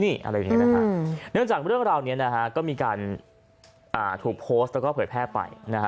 เนื่องจากเรื่องราวนี้ก็มีการถูกโพสต์และเผยแพร่ไป